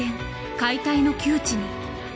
解体の窮地に。